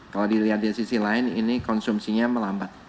kalau dilihat dari sisi lain ini konsumsinya melambat